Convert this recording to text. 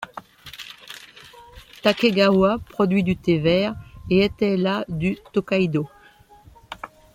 Kakegawa produit du thé vert, et était la du Tōkaidō.